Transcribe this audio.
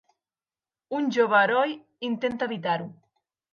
Un jove heroi intenta evitar-ho.